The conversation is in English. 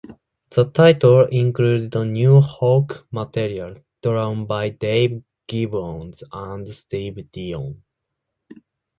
The title included new Hulk material drawn by Dave Gibbons and Steve Dillon.